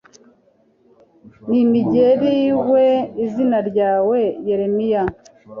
n imigeriwe izina ryawe Yeremiya